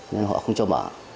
nên họ không cho mở